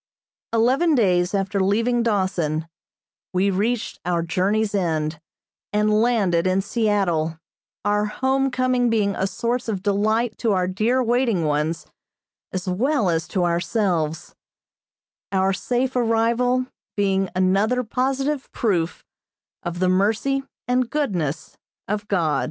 Eleven days after leaving Dawson we reached our journey's end, and landed in Seattle, our home coming being a source of delight to our dear waiting ones, as well as to ourselves; our safe arrival being another positive proof of the mercy and goodness of God.